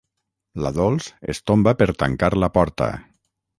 La Dols es tomba per tancar la porta.